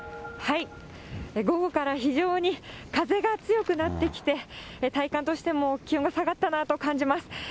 午後から非常に風が強くなってきて、体感としても気温が下がったなと感じます。